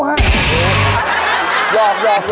อาหารการกิน